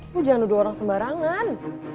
lo jangan nuduh orang sembarangan